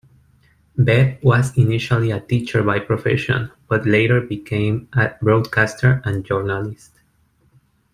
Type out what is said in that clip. Bebb was initially a teacher by profession, but later became a broadcaster and journalist.